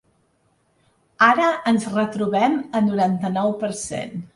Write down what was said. Ara ens retrobem a noranta-nou per cent.